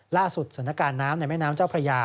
ล่าสุดสถานการณ์น้ำในแม่น้ำเจ้าพระยา